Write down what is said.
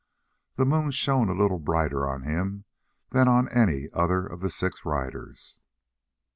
The moon shone a little brighter on him than on any other of the six riders.